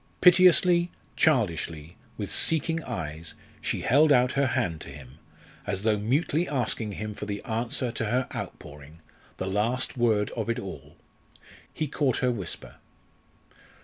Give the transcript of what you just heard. Piteously, childishly, with seeking eyes, she held out her hand to him, as though mutely asking him for the answer to her outpouring the last word of it all. He caught her whisper.